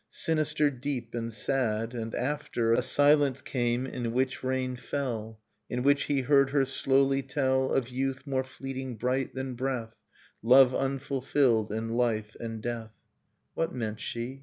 Sinister, deep, and sad; and after A silence came in which rain fell, s In which he heard her slowly tell Of youth, more fleeting bright than breath, I Love unfulfilled, and life, and death. What meant she